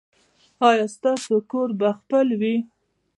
ایا ستاسو کور به خپل وي؟